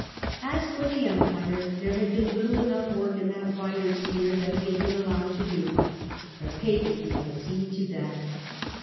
As for the Empire, there had been little enough work in that wider sphere that he had been allowed to do : the Papacy had seen to that.